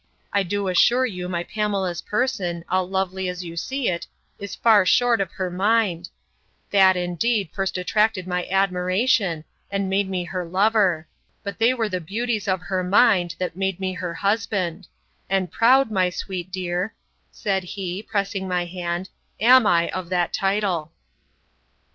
I do assure you my Pamela's person, all lovely as you see it, is far short of her mind: That, indeed, first attracted my admiration, and made me her lover: but they were the beauties of her mind, that made me her husband; and proud, my sweet dear, said he, pressing my hand, am I of that title.